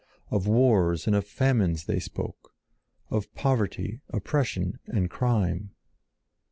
Of wars and of famines they spoke, of poverty, oppression, and crime.